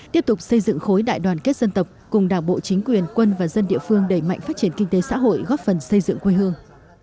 tiếp tục xây dựng khối đại đoàn kết dân tộc cùng đảng bộ chính quyền quân và dân địa phương đẩy mạnh phát triển kinh tế xã hội góp phần xây dựng quê hương